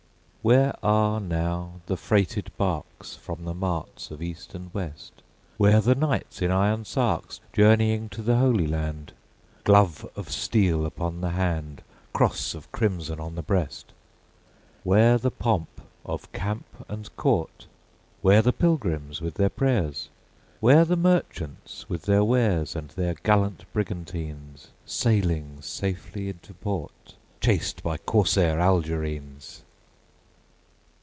Where are now the freighted barks From the marts of east and west? Where the knights in iron sarks Journeying to the Holy Land, Glove of steel upon the hand, Cross of crimson on the breast? Where the pomp of camp and court? Where the pilgrims with their prayers? Where the merchants with their wares, And their gallant brigantines Sailing safely into port Chased by corsair Algerines?